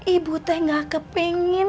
ibu teh gak kepengen